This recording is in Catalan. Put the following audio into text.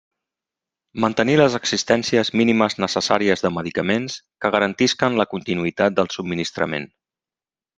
Mantenir les existències mínimes necessàries de medicaments que garantisquen la continuïtat del subministrament.